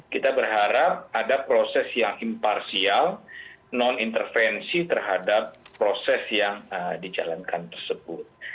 kita berharap ada proses yang imparsial non intervensi terhadap proses yang dijalankan tersebut